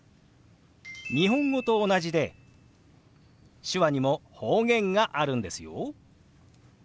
日本語と同じで手話にも方言があるんですよ。